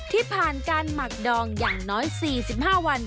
ที่ผ่านการหมักดองอย่างน้อย๔๕วัน